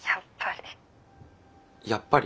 やっぱり。